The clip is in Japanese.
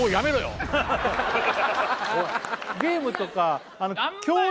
ゲームとか協力